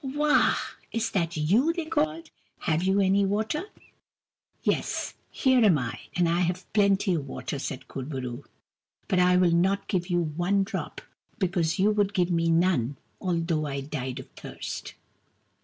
" Wah ! is that you ?" they called. " Have you any water ?"" Yes, here am I, and I have plenty of water," said Kur bo roo. " But I will not give you one drop, because you would give me none, although I died of thirst."